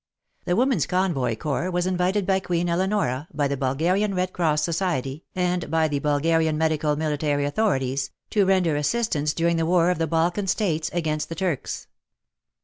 The Women's Convoy Corps was invited by Queen Eleonora, by the Bulgarian Red Cross Society, and by the Bulgarian Medical Military authorities, to render assistance during the war of the Balkan States against the Turks.